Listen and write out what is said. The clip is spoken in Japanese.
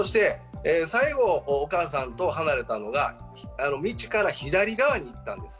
最後、お母さんと離れたのが道から左側に行ったんです。